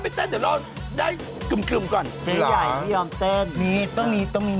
ต้องนี้ต้องมีไมค์